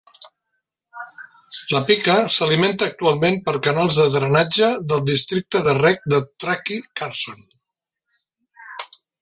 La pica s'alimenta actualment per canals de drenatge del Districte de Reg de Truckee-Carson.